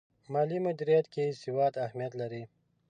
مالي مدیریت کې سواد اهمیت لري.